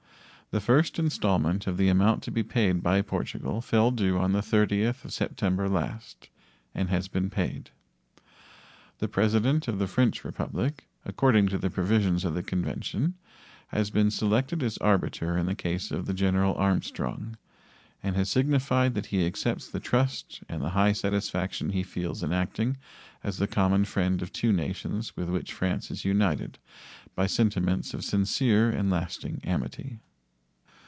The first installment of the amount to be paid by Portugal fell due on the 30th of September last and has been paid. The President of the French Republic, according to the provisions of the convention, has been selected as arbiter in the case of the General Armstrong, and has signified that he accepts the trust and the high satisfaction he feels in acting as the common friend of two nations with which France is united by sentiments of sincere and lasting amity.